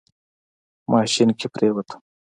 ماشين کې پرېوتم.